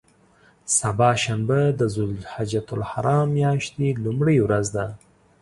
سبا شنبه د ذوالحجة الحرام میاشتې لومړۍ ورځ ده.